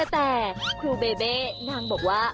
แต่ครูเบเบ้นางบอกว่า